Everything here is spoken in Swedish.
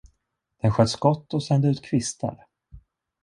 Den sköt skott och sände ut kvistar.